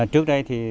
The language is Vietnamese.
trước đây thì